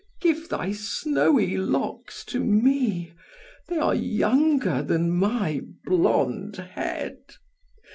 Give thy snowy locks to me, they are younger than my blond head.